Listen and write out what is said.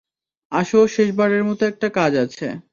আসো শেষবারের মতো একটা কাজ আছে।